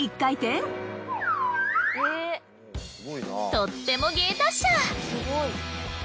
とっても芸達者。